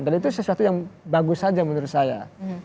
dan itu sesuatu yang bagus saja menurut saya